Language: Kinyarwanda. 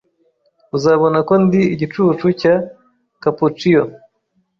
Uzabona ko ndi igicucu cya Capocchio